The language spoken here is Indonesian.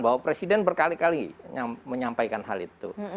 bahwa presiden berkali kali menyampaikan hal itu